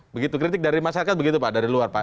begitu kritik dari masyarakat begitu pak dari luar pak